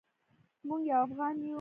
موږ یو افغان یو.